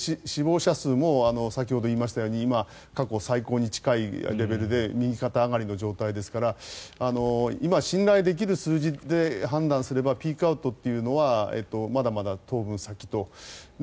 死亡者数も先ほど言いましたように今、過去最高に近いレベルで右肩上がりの状態ですから今、信頼できる数字で判断すればピークアウトというのはまだまだ当分先と。